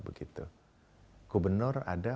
begitu gubernur ada